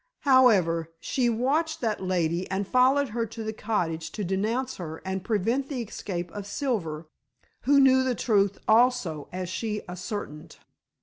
However, she watched that lady and followed her to the cottage to denounce her and prevent the escape of Silver who knew the truth also, as she ascertained.